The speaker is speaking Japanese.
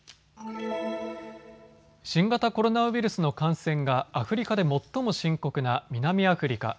新型コロナウイルスの感染がアフリカで最も深刻な南アフリカ。